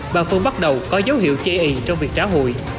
bà phương bắt đầu có dấu hiệu chê ý trong việc trả hụi